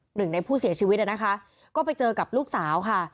หนึ่งในผู้เสียชีวิตนะคะก็ไปเจอกับลูกสาวค่ะ